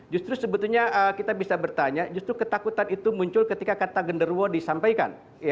justru sebetulnya kita bisa bertanya justru ketakutan itu muncul ketika kata genderuwo disampaikan